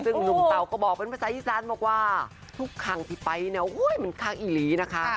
ซึ่งลุงเตาก็บอกเป็นภาษาอีสานบอกว่าทุกครั้งที่ไปเนี่ยโอ้โหมันครั้งอีหรีนะคะ